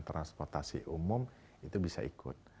transportasi umum itu bisa ikut